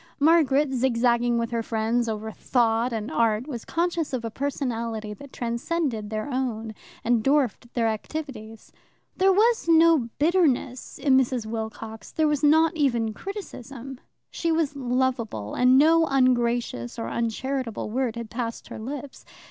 Margaret, zigzagging with her friends over Thought and Art, was conscious of a personality that transcended their own and dwarfed their activities. There was no bitterness in Mrs. Wilcox; there was not even criticism; she was lovable, and no ungracious or uncharitable word had passed her lips.